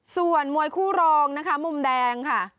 ส่วนมวยคู่รองนะคะมุมแดงค่ะ